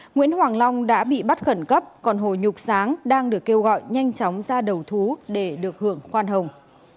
nguyễn hoàng long đã bị bắt khẩn cấp còn hồ nhục sáng đang được kêu gọi nhanh chóng ra đầu thú để được hưởng khoan hồng